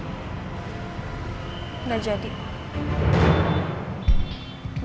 kalau kamu ketemu dengan mbak endin kamu pasti bisa mencari kejadian